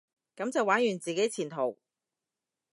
噉就玩完自己前途？